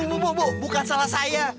bu bu bu bukan salah saya